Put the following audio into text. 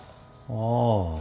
ああ。